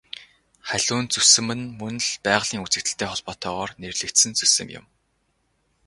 Халиун зүсэм нь мөн л байгалийн үзэгдэлтэй холбоотойгоор нэрлэгдсэн зүсэм юм.